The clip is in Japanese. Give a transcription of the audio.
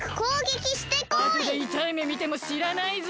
あとでいたいめみてもしらないぞ。